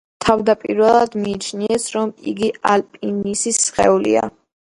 თავდაპირველად მიიჩნიეს, რომ იგი ალპინისტის სხეულია.